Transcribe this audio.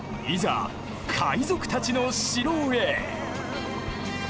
海賊たちの城へ！